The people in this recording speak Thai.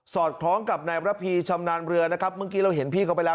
อดคล้องกับนายระพีชำนาญเรือนะครับเมื่อกี้เราเห็นพี่เขาไปแล้ว